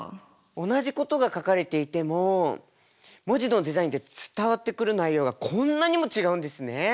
同じことが書かれていても文字のデザインで伝わってくる内容がこんなにも違うんですね。